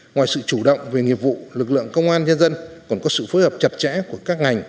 ngoài sự chủ động về nghiệp vụ lực lượng công an nhân dân còn có sự phối hợp chặt chẽ của các ngành